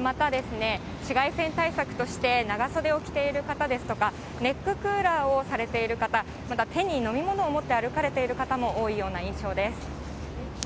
また紫外線対策として、長袖を着ている方ですとか、ネッククーラーをされている方、また手に飲み物を持って歩かれている方も多いような印象です。